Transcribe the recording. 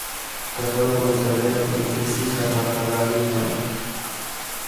Casado con Isabela, tiene tres hijas: Rafa, Gabi y Mari.